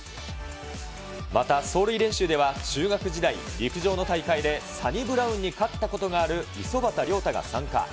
また走塁練習では、中学時代、陸上の大会でサニブラウンに勝ったことがあるいそばたりょうたが参加。